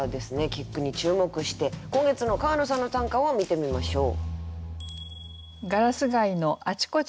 結句に注目して今月の川野さんの短歌を見てみましょう。